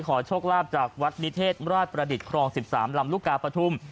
ขอโชคลาภจากวัดนิเทศราชประดิษฐ์ครอง๑๓ลำลูกกาปฐุม